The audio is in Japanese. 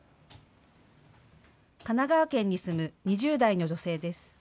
神奈川県に住む２０代の女性です。